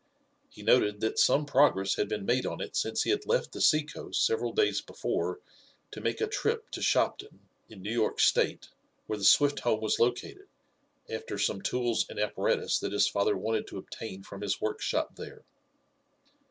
He noted that some progress had been made on it since he had left the seacoast several days before to make a trip to Shopton, in New York State, where the Swift home was located, after some tools and apparatus that his father wanted to obtain from his workshop there.